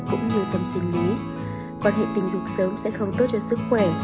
cũng như tâm sinh lý quan hệ tình dục sớm sẽ không tốt cho sức khỏe